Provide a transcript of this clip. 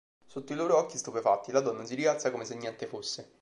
Sotto i loro occhi stupefatti, la donna si rialza come se niente fosse.